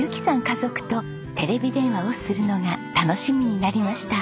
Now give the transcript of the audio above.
家族とテレビ電話をするのが楽しみになりました。